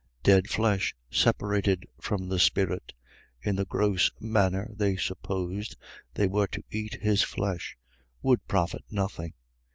. .Dead flesh separated from the spirit, in the gross manner they supposed they were to eat his flesh, would profit nothing.